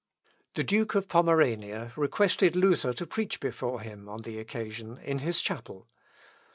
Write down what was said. The Duke of Pomerania requested Luther to preach before him, on the occasion, in his chapel.